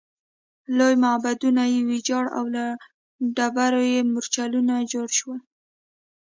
لوی معبدونه یې ویجاړ او له ډبرو یې مورچلونه جوړ شول